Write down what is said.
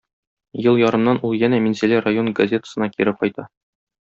Ел ярымнан ул янә Минзәлә район газетасына кире кайта.